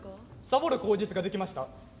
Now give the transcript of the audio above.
サボる口実ができました。